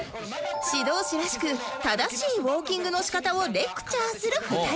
指導士らしく正しいウォーキングの仕方をレクチャーする２人